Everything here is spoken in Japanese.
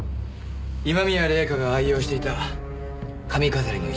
今宮礼夏が愛用していた髪飾りの一部です。